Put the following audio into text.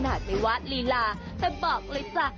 ขนาดไม่ว่าลีลาแปปบอกเลยจ้ะ